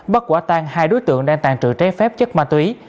bắt quả tan hai đối tượng đang tàn trự trái phép chất ma túy